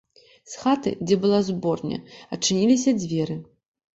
З хаты, дзе была зборня, адчыніліся дзверы.